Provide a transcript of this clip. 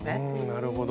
なるほど。